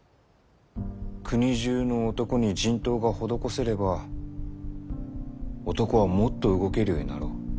国中の男に人痘が施せれば男はもっと動けるようになろう。